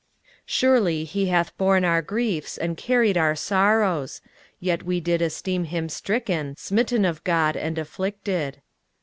23:053:004 Surely he hath borne our griefs, and carried our sorrows: yet we did esteem him stricken, smitten of God, and afflicted.